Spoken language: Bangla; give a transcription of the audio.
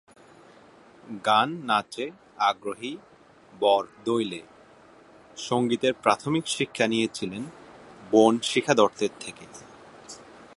গান-নাচে আগ্রহী বরদলৈ সঙ্গীতের প্রাথমিক শিক্ষা নিয়েছিলেন বোন শিখা দত্তের থেকে।